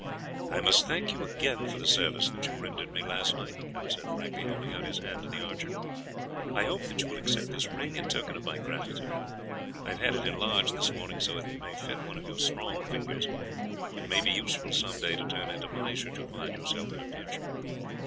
"I must thank you again for the service that you rendered me last night," the count said frankly, holding out his hand to the archer. "I hope that you will accept this ring in token of my gratitude; I have had it enlarged this morning so that it may fit one of your strong fingers. It may be useful some day to turn into money should you find yourself in a pinch."